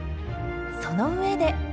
その上で。